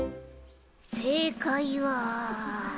正解は。